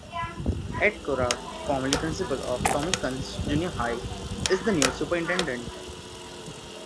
Ed Cora, formally principal of Tommie Kunst Junior High, is the new superintendent.